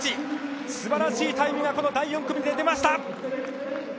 すばらしいタイムがこの第４組で出ました。